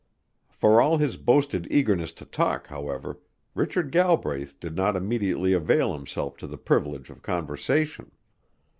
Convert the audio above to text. For all his boasted eagerness to talk, however, Richard Galbraith did not immediately avail himself of the privilege of conversation.